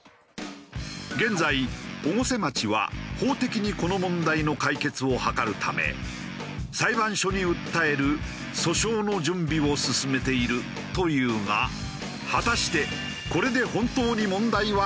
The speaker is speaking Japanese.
現在越生町は法的にこの問題の解決を図るため裁判所に訴える訴訟の準備を進めているというが果たしてこれで本当に問題は解決されるのか？